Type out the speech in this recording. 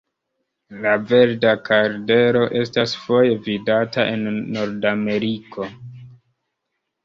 La Verda kardelo estas foje vidata en Nordameriko.